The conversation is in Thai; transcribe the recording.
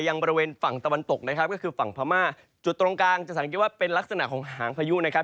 บริเวณฝั่งตะวันตกนะครับก็คือฝั่งพม่าจุดตรงกลางจะสังเกตว่าเป็นลักษณะของหางพายุนะครับ